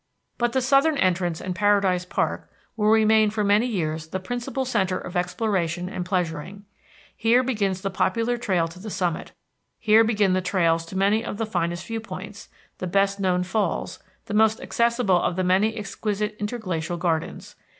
But the southern entrance and Paradise Park will remain for many years the principal centre of exploration and pleasuring. Here begins the popular trail to the summit. Here begin the trails to many of the finest viewpoints, the best known falls, the most accessible of the many exquisite interglacier gardens.